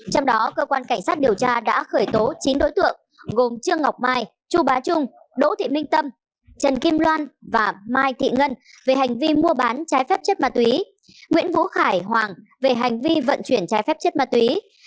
trong đó cơ quan cảnh sát điều tra đã khởi tố chín đối tượng gồm trương ngọc mai chu bá trung đỗ thị minh tâm trần kim loan và mai thị ngân về hành vi mua bán trái phép chất ma túy nguyễn vũ khải hoàng về hành vi vận chuyển trái phép chất ma túy